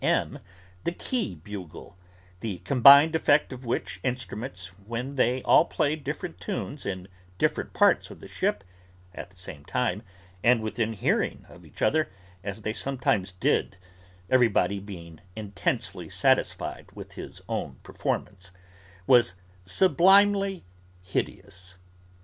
M.) the key bugle: the combined effect of which instruments, when they all played different tunes in different parts of the ship, at the same time, and within hearing of each other, as they sometimes did (everybody being intensely satisfied with his own performance), was sublimely hideous.